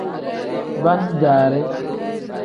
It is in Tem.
Pan-jaari.